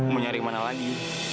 mau nyari kemana lagi